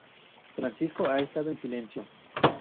Francisco ha estado en silencio.